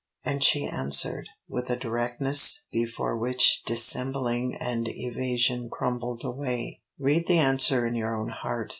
And she answered, with a directness before which dissembling and evasion crumbled away: "Read the answer in your own heart.